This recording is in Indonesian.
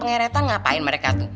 pengaretan ngapain mereka tuh